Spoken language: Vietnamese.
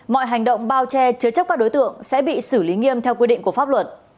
mọi hành động bao che chứa chấp các đối tượng sẽ bị xử lý nghiêm theo quy định của pháp luật